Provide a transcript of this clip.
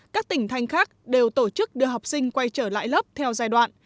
các tỉnh thành khác đều tổ chức đưa học sinh quay trở lại lớp theo giai đoạn